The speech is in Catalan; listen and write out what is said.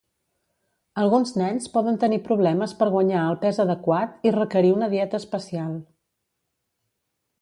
Alguns nens poden tenir problemes per guanyar el pes adequat i requerir una dieta especial.